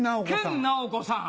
研ナオコさん！